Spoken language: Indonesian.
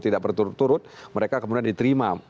tidak berturut turut mereka kemudian diterima